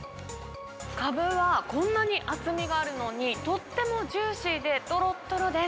かぶはこんなに厚みがあるのに、とってもジューシーで、とろっとろです。